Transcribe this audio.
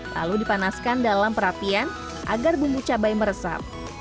lalu dipanaskan dalam perapian agar bumbu cabai meresap